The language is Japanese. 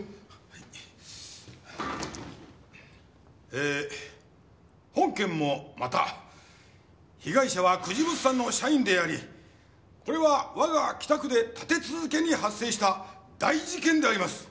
ええ本件もまた被害者は久慈物産の社員でありこれは我が北区で立て続けに発生した大事件であります。